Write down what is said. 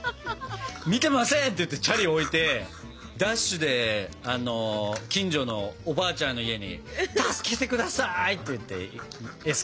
「見てません」って言ってチャリ置いてダッシュで近所のおばあちゃんの家に「助けてください」っていってエスケープした覚えあるね。